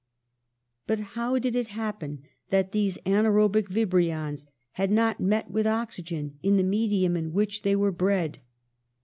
But how did it happen that these anaerobic vibrions had not met with oxygen in the me dium in which they were bred?